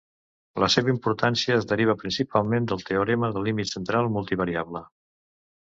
La seva importància es deriva principalment del teorema del límit central multivariable.